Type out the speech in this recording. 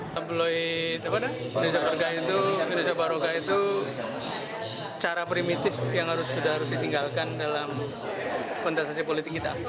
tabloid indonesia barokah itu cara primitif yang harus ditinggalkan dalam konteksasi politik kita